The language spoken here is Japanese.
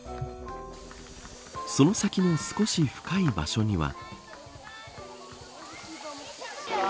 その先の少し深い場所には。